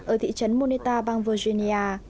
ở thị trấn moneta bang virginia